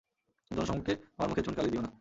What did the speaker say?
জনসম্মুখে আমার মুখে চুনকালি দিও না।